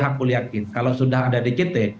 aku yakin kalau sudah ada dct